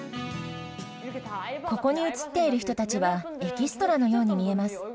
ここに映っている人たちは、エキストラのように見えます。